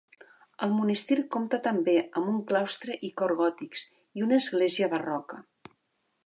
El monestir compta també amb un claustre i cor gòtics, i una església barroca.